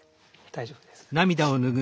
大丈夫です。